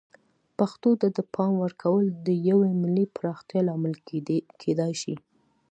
پښتو ته د پام ورکول د یوې ملي پراختیا لامل کیدای شي.